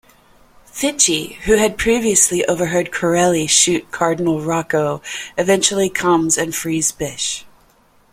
Fitchie who had previously overheard Corelli shoot Cardinal Rocco eventually comes and frees Bish.